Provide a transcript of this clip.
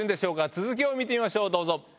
続きを見てみましょうどうぞ。